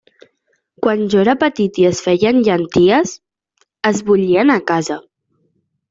Quan jo era petit i es feien llenties, es bullien a casa.